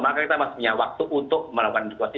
maka kita masih punya waktu untuk melakukan evakuasi